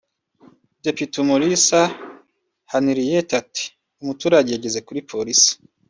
Depite Umulisa Henriette ati « umuturage yageze kuri Polisi